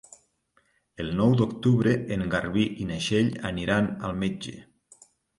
El nou d'octubre en Garbí i na Txell aniran al metge.